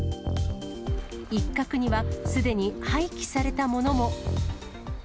一角にはすでに廃棄されたものも。